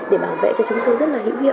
để bảo vệ cho chúng tôi rất là hữu hiệu